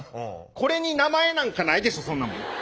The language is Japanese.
これに名前なんかないでしょそんなもん。